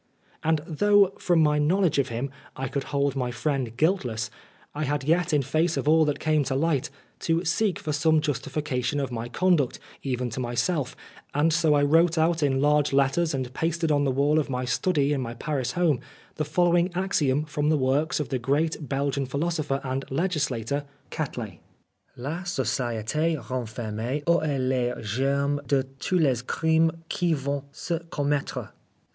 And though, from my knowledge of him, I could hold my friend guiltless, I had yet, in face of all that came to light, to seek for some justification of my conduct, even to myself, and so I wrote out in large letters and pasted on the wall of my study in my Paris home, the following axiom from the works of the great Belgian philosopher and legislator, Quetelet :" La socidtJ renferme en elle les germes de tons les crimes qui vont se commettre.